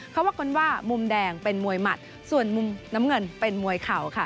เขาว่ากันว่ามุมแดงเป็นมวยหมัดส่วนมุมน้ำเงินเป็นมวยเข่าค่ะ